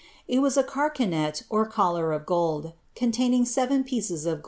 It was a carcanet or collar of gold, containing seven pieces of •Camden.